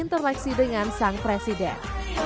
dan interaksi dengan sang presiden